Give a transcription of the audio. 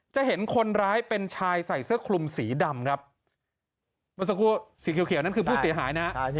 จะเห็นคนร้ายเป็นชายใส่เสื้อคลุมสีดำครับสีเขียวเขียวนั่นคือผู้เสียหายนะฮะ